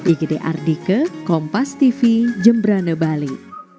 ikhidik ardike kompas tv jembrane bali